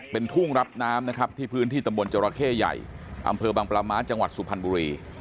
เป็นทุ่งรับน้ำนะครับที่พื้นที่ตำบลจราเข้ใหญ่อำเภอบางปลาม้าจังหวัดสุพรรณบุรี